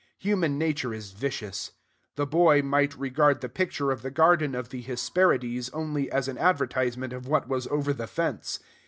Human nature is vicious. The boy might regard the picture of the garden of the Hesperides only as an advertisement of what was over the fence.